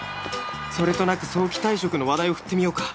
それとなく早期退職の話題を振ってみようか